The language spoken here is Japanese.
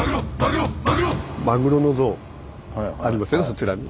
そちらに。